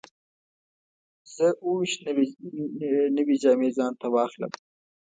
زه اووه ویشت نوې جامې ځان ته واخلم.